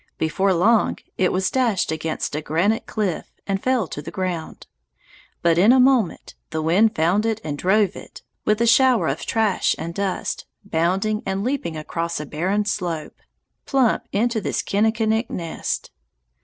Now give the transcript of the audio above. Before long it was dashed against a granite cliff and fell to the ground; but in a moment, the wind found it and drove it, with a shower of trash and dust, bounding and leaping across a barren slope, plump into this kinnikinick nest.